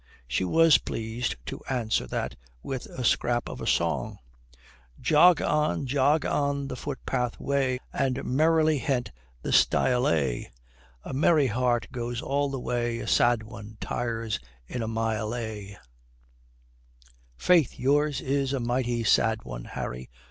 She was pleased to answer that with a scrap of a song: "Jog on, jog on the footpath way, And merrily hent the stile a! A merry heart goes all the way, A sad one tires in a mile a." "Faith, yours is a mighty sad one, Harry.